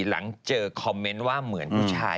หลังเจอคอมเมนต์ว่าเหมือนผู้ชาย